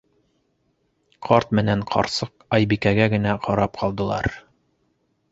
Ҡарт менән ҡарсыҡ Айбикәгә генә ҡарап ҡалдылар.